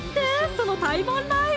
その対バンライブ！